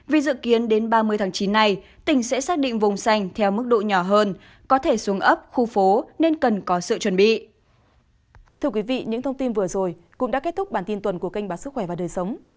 vì dự kiến đến ba mươi tháng chín này tỉnh sẽ xác định vùng xanh theo mức độ nhỏ hơn có thể xuống ấp khu phố nên cần có sự chuẩn bị